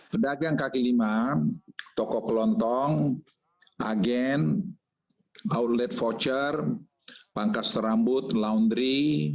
pedagang kaki lima toko kelontong agen outlet voucher pangkas terambut laundry